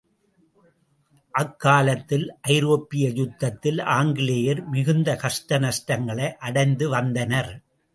அக் காலத்தில் ஐரோப்பிய யுத்தத்தில் ஆங்கிலேயர் மிகுந்த கஷ்ட நஷ்டங்களை அடைந்து வந்தனர்.